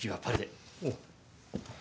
おう。